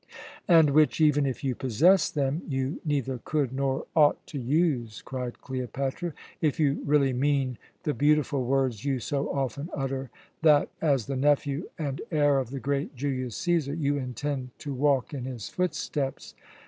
"And which even if you possessed them you neither could nor ought to use," cried Cleopatra, "if you really mean the beautiful words you so often utter that, as the nephew and heir of the great Julius Cæsar, you intend to walk in his footsteps.